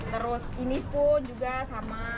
terus ini pun juga sama